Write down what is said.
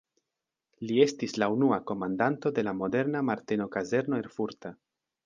Li estis la unua komandanto de la moderna Marteno-kazerno erfurta.